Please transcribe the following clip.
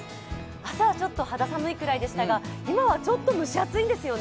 朝はちょっと肌寒いぐらいでしたが今はちょっと蒸し暑いですよね。